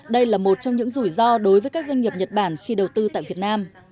đây là một trong những rủi ro đối với các doanh nghiệp nhật bản khi đầu tư tại việt nam